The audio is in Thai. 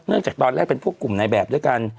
เนื่องจากตอนแรกเป็นพวกกลุ่มนายแบบด้วยกัน